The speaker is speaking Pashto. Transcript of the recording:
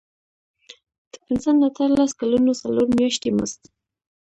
د پنځه نه تر لس کلونو څلور میاشتې مزد.